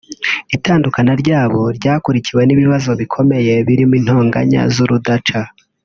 Itandukana ryabo ryakurikiwe n’ibibazo bikomeye birimo intonganya z’urudaca